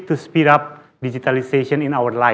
mempercepat digitalisasi dalam hidup kami